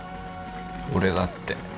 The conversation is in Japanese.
俺だって。